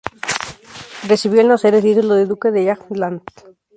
Recibió al nacer el título de duque de Jämtland.